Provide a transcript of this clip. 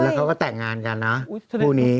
แล้วเขาก็แต่งงานกันนะคู่นี้